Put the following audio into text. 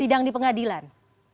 sidang di pengadilan